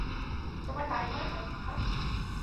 তোমার তাই মনে হয়, হাহ?